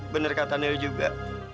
bener kata nel juga